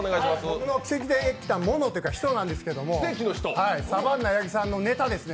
僕の奇跡的なものというか人なんですけどサバンナ八木さんのネタです。